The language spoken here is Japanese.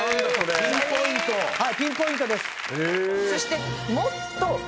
はいピンポイントです。